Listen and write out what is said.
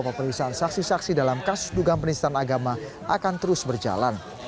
pemeriksaan saksi saksi dalam kasus dugaan penistaan agama akan terus berjalan